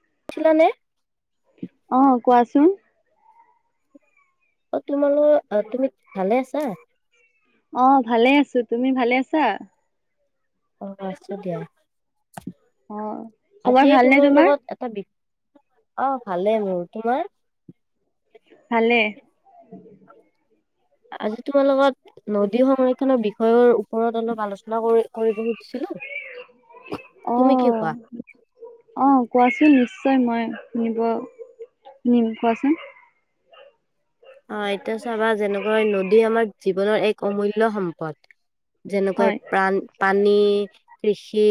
[unintelligible] অ' কোৱাচোন। অ' তোমালোক, তুমি ভালে আছা? অ 'ভালে আছো। তুমি ভালে আছা? অ' আছো দিয়া। অ' আজি খবৰ ভালনে তোমাৰ? লগত এটা বি অ' ভালে মোৰ। তোমাৰ? ভালে। আজি তোমাৰ লগত নদী সংৰক্ষণৰ বিষয়ৰ ওপৰত অলপ আলোচনা কৰি কৰিব খুজিছিলো। তুমি কি কোৱা অ', অ'কোৱাচোন নিশ্চয়। নিশ্চয় মই নিব নিম কোৱাচোন। অ'এতিয়া চাবা যেনেকুৱা নদী আমাৰ জীৱনৰ এক অমূল্য় সম্পদ। যেনেকৈ হয় প্ৰাণ। পানী, কৃষি,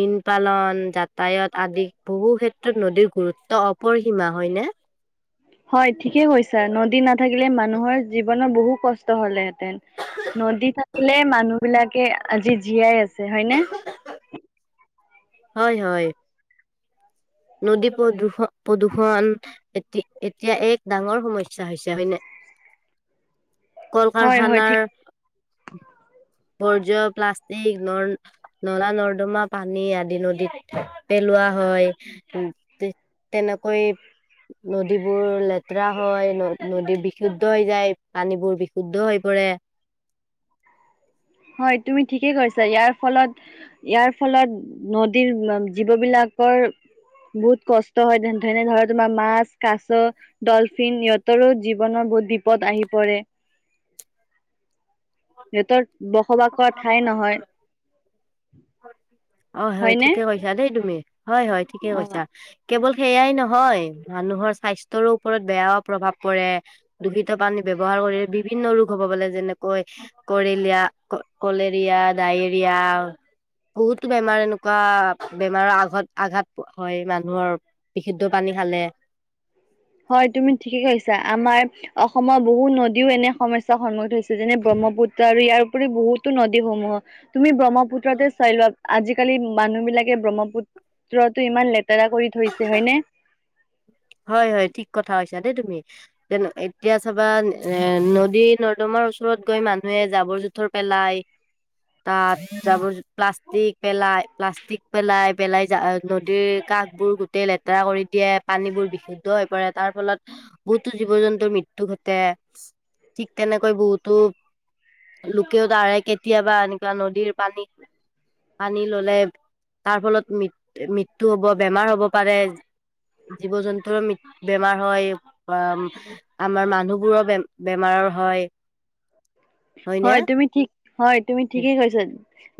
মীন পালন, যাতায়ত আদি বহু ক্ষেত্ৰত নদীৰ গুৰুত্ব অপৰসীমা হয়নে? হয় ঠিকে কৈছা, নদী নাথাকিলে মানুহৰ জীৱনত বহু কষ্ট হ'লে হয়। নদী থাকিলে মানুহ। বিলাকে আজি জীয়াই আছে। হয়নে? হয় হয় নদী প্ৰদূষণ, প্ৰদূষণ এতি এতিয়া এক ডাঙৰ সমস্যা হৈছে হয়নে? হয় হয় ঠিক কল-কাৰখানাৰ। সৰ প্লাষ্টিক নলা-নৰ্দমা পানী আদি নদীত পেলোৱা হয়। উম্ তেনেকৈ নদীবোৰ লেতেৰা হয়, ন নদী বিশুদ্ধ হৈ যায় পানীবোৰ বিশুদ্ধ হৈ পৰে। হয় তুমি ঠিকেই কৈছা, ইয়াৰ ফলত ইয়াৰ ফলত নদীৰ জীৱ বিলাকৰ বহুত কষ্ট হয় যেনে ধৰা তোমাৰ মাছ, কাছ, ডলফিন সিহঁতৰো জীৱনৰ বহুত বিপদ আহি পৰে। সিহঁতৰ বসবাসৰ ঠাই নহয় অ হয় হয়নে? ঠিকে কৈছা দেই তুমি হয় হয় ঠিকে কৈছা অ' কেৱল সেইয়াই নহয় মানুহৰ স্বাস্থ্যৰো ওপৰত বেয়া প্ৰভাৱ পৰে দূষিত পানী ব্যৱহাৰ কৰি বিভিন্ন ৰোগ হ'ব বলে যেনেকৈ কৰেলীয়া কলেৰিয়া ডায়েৰিয়া বহুতো বেমাৰ এনেকুৱা বেমাৰৰ আঘাত আঘাত হয় মানুহৰ বিশুদ্ধ পানী খালে হয় তুমি ঠিকে কৈছা আমাৰ অসমৰ বহুত নদীও এনে সমস্যাৰ সন্মুখীন হৈছো যেনে ব্ৰহ্মপুত্ৰ আৰু ইয়াৰ পৰি বহুতো নদীসমূহ তুমি ব্ৰহ্ম পুত্ৰতে চাই লোৱা আজিকালি মানুহ বিলাকে ব্ৰহ্মপুত্ৰতো ইমান লেতেৰা কৰি থৈছে হয়নে হয় হয় ঠিক কথা কৈছা দেই তুমি যে এতিয়া চাবা এ নদী নৰ্দমাৰ ওচৰত গৈ মানুহে জাবৰ জোথৰ পেলাই তাত জাবৰ প্লাষ্টিক পেলাই প্লাষ্টিক পেলাই পেলাই নদীৰ কাষবোৰ গোটেই লেতেৰা কৰি দিয়ে পানীবোৰ বিশুদ্ধ হৈ পৰে তাৰ ফলত বহুতো জীৱ জন্তুৰ মৃত্যু ঘটে ঠিক তেনেকৈ বহুতো লোকেও তাৰে কেতিয়াবা এনেকুৱা নদীৰ পানী পানী ললে তাৰ ফলত ম মৃত্যু হব বেমাৰ হব পাৰে জীৱ জন্তু ৰ বেমাৰ হয় বা আমাৰ মানুহবোৰৰ বে বেমাৰৰ হয় হয়নে হয় তুমি ঠিক হয় তুমি ঠিকেই কৈছা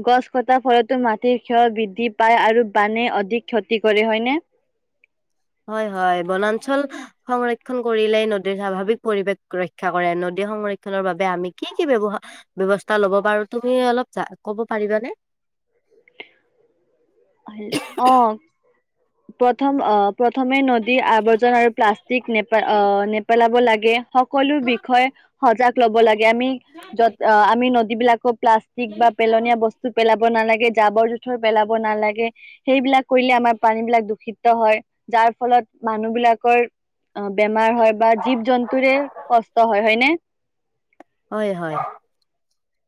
গছ কটাৰ ফলতো মাটিৰ ক্ষয় বৃদ্ধি পায় আৰু বানে অধিক ক্ষতি কৰে হয়নে হয় হয় বনাঞ্চল সংৰক্ষন কৰিলেই নদীৰ স্বাভাৱিক পৰিৱেশ ৰক্ষা কৰে নদীৰ সংৰক্ষনৰ বাবে আমি কি কি ব্যৱহা ব্যৱস্থা লব পাৰো তুমি অলপ কব পাৰিবানে আহ অ প্ৰথম আহ প্ৰথমে নদীৰ আৱৰ্জন আৰু প্লাষ্টিক নেপ আহ নেপেলাব লাগে সকলো বিষয়ে সজাগ লব লাগে আমি যত আমি যিবিলাকক প্লাষ্টিক বা পেলনীয়া বস্তু পেলাব নালাগে জাবৰ জোথৰ পেলাব নালাগে সেইবিলাক কৰিলে আমাৰ পানী বিলাক দূষিত হয় যাৰ ফলত মানুহ বিলাকৰ বেমাৰ হয় বা জীৱ জন্তুৰে কষ্ট হয় হয়নে হয় হয়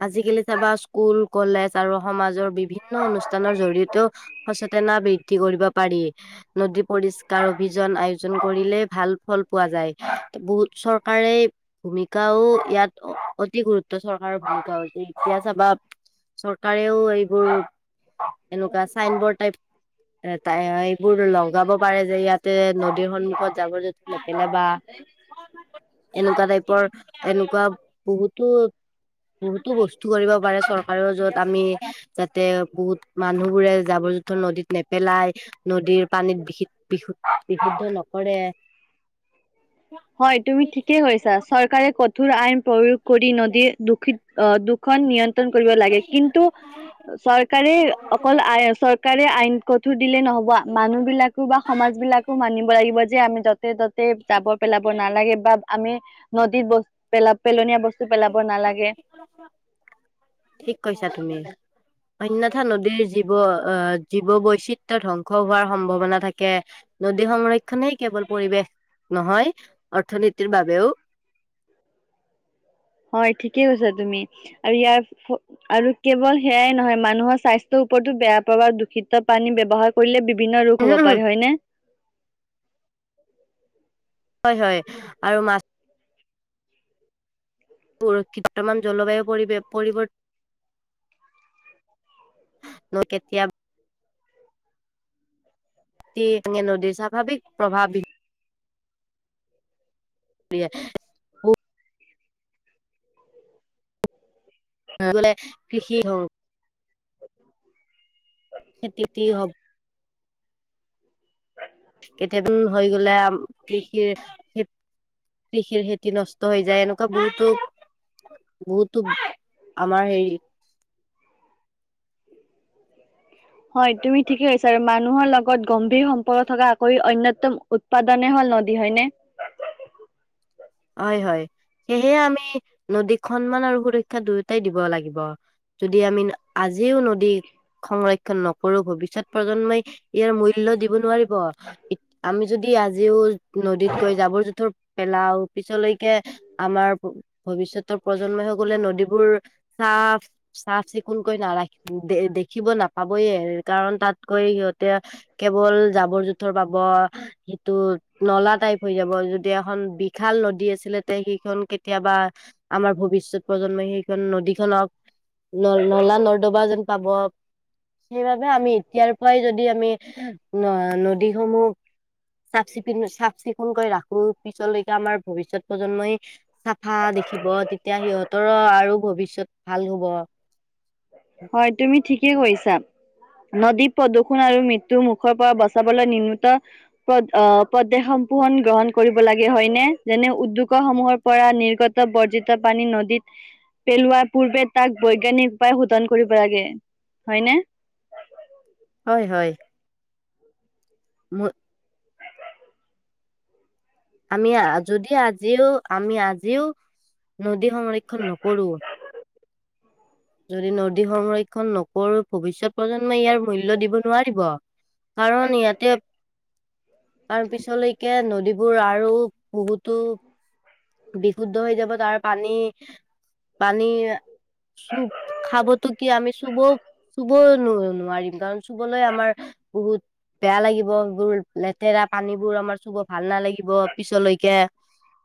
আজিকালি চাবা স্কুল কলেজ আৰু সমাজৰ বিভিন্ন অনুষ্ঠানৰ জৰিয়তেও সচেতনা বৃদ্ধি কৰিব পাৰি নদী পৰিষ্কাৰ অভিযান আয়োজন কৰিলে ভাল ফল পোৱা যায় বহুত চৰকাৰে ভূমিকাও ইয়াত অতি গুৰুত্ব চৰকাৰৰ ভূমিকা হৈছে এতিয়া চাবা চৰকাৰেও এইবোৰ এনেকুৱা চাইন বৰ্ড টাইপ টাই এইবোৰ লগাব পাৰে যে ইয়াতে নদীৰ সন্মুখত জাৱৰ জথু নেপেলাবা এনেকুৱা টাইপৰ এনেকুৱা বহুতো বহুতো বস্তু কৰিব পাৰে চৰকাৰেও যত আমি যাতে বহুত মানুহ বুৰে জাবৰ জোথৰ নদীত নেপেলাই নদীৰ পানীত বিশুু বিশুদ্ধ নকৰে ঠুৰ আইন প্ৰয়োগ কৰি নদীয়ে দুখিত অ দুখ খন নিয়ন্ত্ৰণ কৰিব লাগে কিন্তু চৰকাৰে অকল আই চৰকাৰে আইন ক দিলে নহব মানুহ বিলাকো বা সমাজ বিলাকো মানিব লাগিব যে আমি তাতে তাতে যাব পেলাব নালাগে বা আমি নদীত বস্তু পেলাব পেলনীয়া বস্তু পেলাব নালাগে ঠিক কৈছা তুমি অন্যথা নদীৰ জীৱ অহ জীৱ বৈচিত্ৰ্য ধ্বংস হোৱাৰ সম্ভাৱনা থাকে নদী সংৰক্ষনেই কেৱল পৰিৱেশ নহয় অৰ্থনীতিৰ বাবেও হয় ঠিকে কৈছা তুমি আৰু ইয়াৰ আৰু কেৱল সেয়াই নহয় মানুহৰ স্বাস্থ্যৰ ওপৰতো বেয়া প্ৰভাৱ দূষিত পানী ব্যৱহাৰ কৰিলে বি বিন্ন ৰোগ হ'ব পাৰে হয় নে [inaudible] হয় হয় আৰু মাছ পৰিশিত বৰ্তমান জলবায়ু পৰিবে পৰিবৰ্ত ন কেতিয়া নদীৰ তুমি নদীৰ স্বাভাৱিক প্ৰভাৱ হ বলে কৃষি হওক খেতিতে হওক [inaudible] কেতিয়া--উ হৈ গলে আ ম কৃষিৰ খ কৃষিৰ খেতি নষ্ট হৈ যায় এনেকুৱা বহুতো বহুতো আমাৰ হেৰি হয় তুমি ঠিকে কৈছা আৰু মানুহৰ লগত গম্ভীৰ সম্পৰ্ক থকা আকৰি অ্ন্যতম উৎপাদনে হল নদী হয়নে হয় হয় সেয়হেে আমি নদীক সন্মান আৰু সুৰক্ষা দুয়োটাই দিব লাগিব যদি আমি আজি যিও নদী সংৰক্ষ ণ নকৰো ভৱিষ্যত প্ৰজন্মই ইয়াৰ মূল্য দিব নোৱাৰি আমি যদি আজি আজিও নদীত গৈ জাবৰ জোঁথৰ পেলাও পিছলৈ আমাৰ ভৱিষ্যতৰ প্ৰজন্মই সকলে নদীবোৰ চাফ চাফ চিকুণকৈ নাৰাখি দে দেখিব নাপাবয়ে কাৰণ তাতকৈ সিহঁতে কেৱল জাবৰ জোথৰ পাব সিটো নলা টাইপ হৈ যাব যদি এখন বি ভাল নদী আছিলে সেইখন কেতিয়াবা আমাৰ ভৱিষ্যত প্ৰজন্মই সেইখন নদীখনক ন নলা নৰ্দবা যেন পাব সেইবাবে আমি এতিয়াৰ পৰাই যদি আমি ন নদীসমূহ চাফ চিকু চাফ চিকুণকৈ ৰাখো পিছলৈ আমাৰ ভৱিষ্যত প্ৰজন্ম চাফা দেখিব তেতিয়া সিহঁতৰো আৰ ভৱিষ্যত ভাল হব হয় তুমি ঠিকেই কৈছা নদী প্ৰদূৰণ আৰু মৃত্যু মুখৰ পৰা বচাবলৈ নিম নত পদ অহ পদেশসম্পোহণ গ্ৰহণ কৰিব লাগে হয়নেে যেনে উদ্যোগ সমূহৰ পৰা নিৰ্গত বৰ্জিত পানী নদীত পেলোৱাৰ পূৰ্বে তাক বৈজ্ঞানিক উপায় শোধন কৰিব লাগে হয়নে হয় হয় মো আমি আ যদি আজিও আমি আজিও নদী সংৰক্ষণ নকৰো যদি নদী সংৰক্ষণ নকৰো ভৱিষ্যত প্ৰজন্মই ইয়াৰ মূল্য দিব নোৱাৰিব কাৰণ ইয়াতে কাৰণ পিছলৈকে নদীবোৰ আৰু বহুতো বিশুদ্ধ হৈ যাব তাৰ পানী পানী চুব খাবতো কি আমি চুব চুবও- নো-নোৱাৰিম কাৰণ চুবলৈ আমাৰ বহুত বেয়া লাগিব, সেইবোৰ লেতেৰা পানীবোৰ আমাৰ চুব ভাল নালাগিব পিছলৈকে।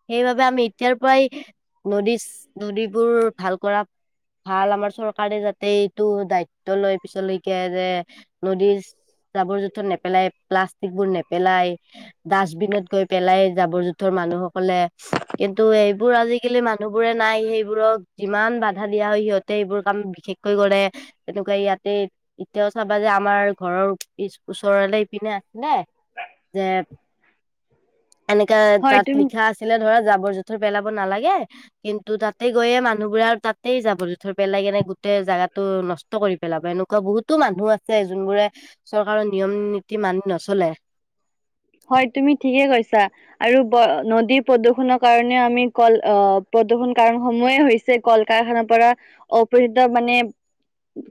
সেইবাবে আমি এতিয়াৰ পৰাই নদীচ-নদীবোৰ ভাল কৰা ভাল আমাৰ চৰকাৰে যাতে এইটো দায়িত্ব লয় পিছলকে যে নদীৰ জাবৰ জোথৰ নেপেলাই, প্লাষ্টিকবোৰ নেপেলাই, ডাষ্টবিনত গৈ পেলাই জাবৰ জোথৰ মানুহক কলে কিন্তু এইবোৰ আজিকালি মানুহ বোৰে নাই সেইবোৰক যিমান দিয়া হয় সিহঁতে এইবোৰ কাম বিশেষকৈ গলে তেনেকুৱা ইয়াতে এতিয়াও চাবা যে আমাৰ ঘৰৰ পিছ ওচৰলে ইপিনে আছিলে যে এনেকাে হয় তাত তুমি লিখা আছিলে ধৰা যাব। জবৰ জোথৰ পেলাব নালাগে কিন্তু তাতে গৈয়ে মানুহবোৰ আৰু তাত গোটই যাবলৈ ধৈ পেলাই কেনে গোটেই জেগাতো নষ্ট কৰি পেলাব এনেকুৱা বহুতো মানুহ আছে যোনবোৰে চৰকাৰৰ নিয়ম নীতি মানি নচলে, হয় তুমি ঠিকে কৈছা আৰু নদী প্ৰদূৰনৰৰ কাৰণেও আমি কল আহ প্ৰদূৰ্ষণ কাৰণ সমূয়ে হৈছে কল কাৰখানাৰ পৰা অপচিত মানে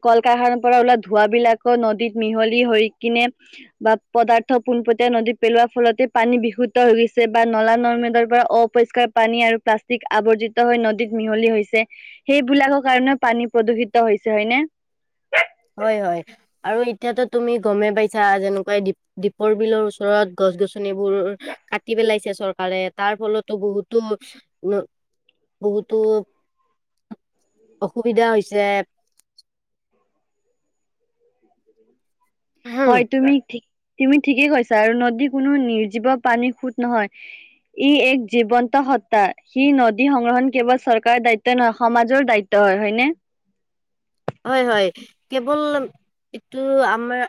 কল কাৰখানাৰ পৰা ওলা ধোঁৱাবলাকো নদীত মিহলি হৈ কিনে বা পদাৰ্থ পোনপটীয়া নদীত পেলোৱা ফলতে পানী বিশুদ্ধ হৈ গৈছে বা নলা নৰ্মেদৰ পৰা অপৰিষ্কাৰ পানী আৰু প্লাষ্টিক আৱৰ্জিত হৈ নদীত মিহলি হৈছে সেইবিলাকৰ কাৰণেও পানী প্ৰদূষিত হৈছে হয়নে? হয় হয় আৰু এতিয়াতো তুমি গমেই পাইছা যেনেকুৱাই দীপৰ বিলৰ ওচৰত গছ গছনিবোৰ কাটি পেলাইছো চৰকাৰে তাৰ ফলতো বহুতো বহুতো অসুবিধা হৈছে। উ উম, হয় তুমিক তুমি ঠিকেই কৈছা আৰু নদী কোনো নিৰ্জীৱ পানী সুত নহয় ই এক জীৱন্ত সত্তা সি নদী সংগ্ৰহণ কেৱল চৰকাৰৰ দায়িত্ব নহয় সমাজৰ দায়িত্ব হয় হয়নে হয় হয় কেৱল এইটো আমাৰ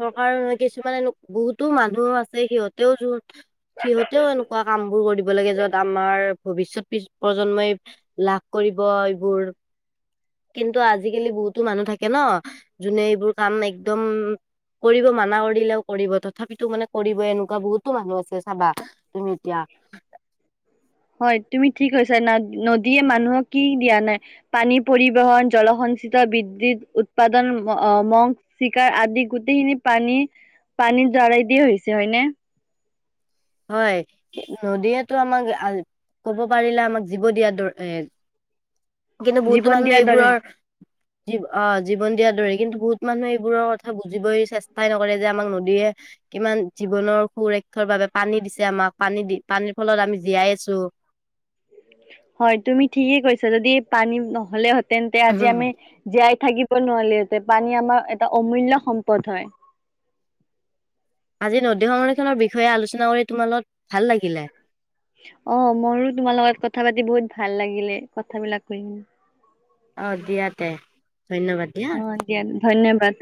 চৰকাৰৰ কিছুমান এনে বহুতো মানুহ আছে সিহঁতেও সিহঁতেও এনেকুৱা কাম বোৰ কৰিব লাগে যত আমাৰ ভৱিষয়ত প্ৰজন্মই লাভ কৰিব এইবোৰ কিন্তু আজিকালি বহুতো মানুহ থাকে ন যোনে এইবোৰ কাম একদম কৰিব মানা কৰি দিলেও কৰিব তথাপিতো মানে কৰিব এনেকুৱা বহুতো মানুহ আছে চাবা, তুমি এতিয়া হয় তুমি। ঠিক হৈছে ন নদীয়ে মানুহক কি দিয়া নাই পানী পৰিবহন জলসঞ্চিত বিদ্য়ুৎ উৎপাদন মগ চিকাৰ আদি গোটেইখিনি পানী পানীৰ দ্বাৰাই দিয়ে হৈছে হয়নে, হয় নদীয়েতো আমাক কব পাৰিলে আমাক জীৱ দিয়া দ এ কিন্তু বহুতো জীৱন মানুহ দিয়াৰ দৰে এইবোৰৰ যি আহ জীৱন দিয়াৰ দৰে কিন্তু বহুত মানুহে এইবোৰৰ কথা বুজিবই চেষ্টাই নকৰে যে আমাক নদীয়েীয়ে কিমান জীৱনৰ সুুৰক্ষাৰ বাবে পানী দিছে আমাক পানী দি পানীৰ ফলত আমি জীয়াই আছো। হয় তুমি ঠিকেই কৈছা যদি পানী নহ'লে, তেন্তে আজি আমি জীয়াই থাকি নহ'লি এতে পানী আমাৰ এটা অমূল্য সম্পদ হয়। আজি নদী সংৰক্ষণৰ বিষয়ে আলোচনা কৰি তোমাৰ লগত ভাল লাগিলে। অ', মোৰো তোমাৰ লগত কথা পাতি বহুত ভাল লাগিলে কথাবিলাক কৈন। অ দিয়া তে ধন্যবাদ দিয়া। ধন্যবাদ।